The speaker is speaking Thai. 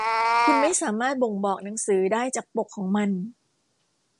คุณไม่สามารถบ่งบอกหนังสือได้จากปกของมัน